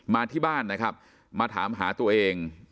มาที่บ้านนะครับมาถามหาตัวเอง